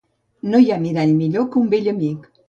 No hi ha mirall millor que un vell amic.